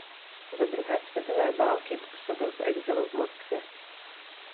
Za druhé světové války působil v exilu v Moskvě.